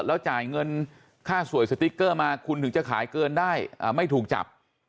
แล้วจ่ายเงินค่าสวยสติ๊กเกอร์มาคุณถึงจะขายเกินได้ไม่ถูกจับ